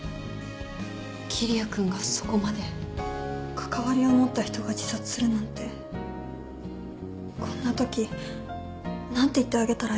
関わりを持った人が自殺するなんてこんなとき何て言ってあげたらいいのか